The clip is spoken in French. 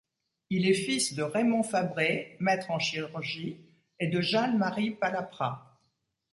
Il est fils de Raymond Fabré, maître en chirurgie et de Jeanne Marie Palaprat.